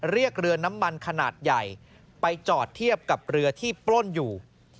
เรือน้ำมันขนาดใหญ่ไปจอดเทียบกับเรือที่ปล้นอยู่